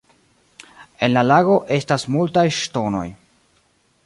En la lago estas multaj ŝtonoj.